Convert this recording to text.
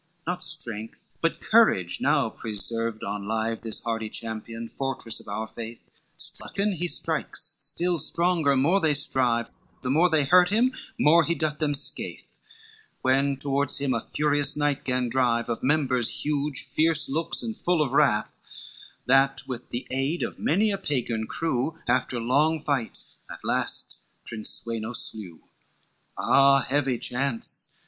XXIII "Not strength, but courage now, preserved on live This hardy champion, fortress of our faith, Strucken he strikes, still stronger more they strive, The more they hurt him, more he doth them scathe, When toward him a furious knight gan drive, Of members huge, fierce looks, and full of wrath, That with the aid of many a Pagan crew, After long fight, at last Prince Sweno slew. XXIV "Ah, heavy chance!